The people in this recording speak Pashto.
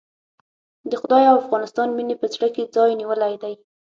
د خدای او افغانستان مينې په زړه کې ځای نيولی دی.